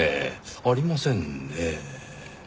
ありませんねぇ。